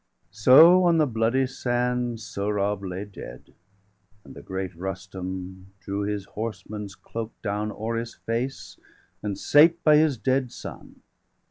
So, on the bloody sand, Sohrab lay dead; And the great Rustum drew his horseman's cloak Down o'er his face, and sate by his dead son.